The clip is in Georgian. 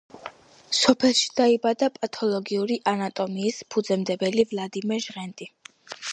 სოფელში დაიბადა პათოლოგიური ანატომიის ფუძემდებელი ვლადიმერ ჟღენტი.